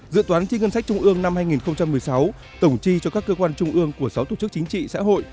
dự toán chi ngân sách trung ương năm hai nghìn một mươi sáu tổng chi cho các cơ quan trung ương của sáu tổ chức chính trị xã hội